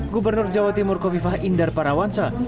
gubernur jawa timur kofifah indar parawansa